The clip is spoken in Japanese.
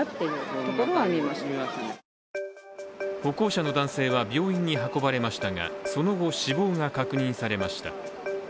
歩行者の男性は病院に運ばれましたがその後死亡が確認されました。